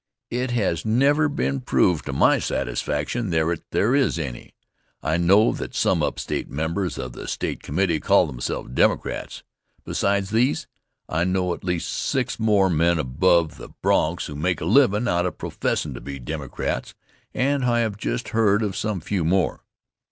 It has never been proved to my satisfaction that there is any. I know that some upstate members of the State committee call themselves Democrats. Besides these, I know at least six more men above the Bronx who make a livin' out of professin' to be Democrats, and I have just heard of some few more.